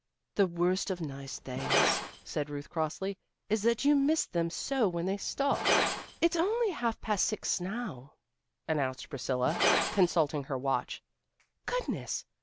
"The worst of nice things," said Ruth crossly, "is that you miss them so when they stop." "It's only half past six now," announced Priscilla, consulting her watch. "Goodness!